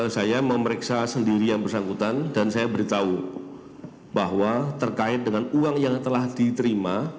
saya memeriksa sendiri yang bersangkutan dan saya beritahu bahwa terkait dengan uang yang telah diterima